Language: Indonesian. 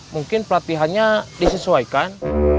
mungkin pelatihannya disesuaikan